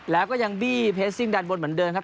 แล้วก็ยังบี้เพสซิ่งด้านบนเหมือนเดิมครับ